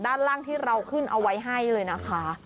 ด้านล่างที่เราขึ้นเอาไว้ให้เลยนะคะ